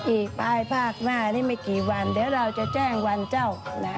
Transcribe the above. อีกปลายภาคหน้านี้ไม่กี่วันเดี๋ยวเราจะแจ้งวันเจ้านะ